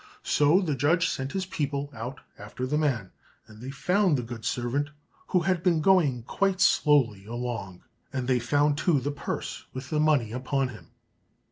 So the judge sent his people out after the man, and they found the good servant, who had been going quite slowly along, and they found, too, the purse with the money upon him.